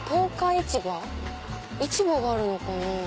市場があるのかな？